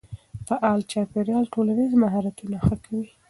فعال چاپېريال ټولنیز مهارتونه ښه کوي.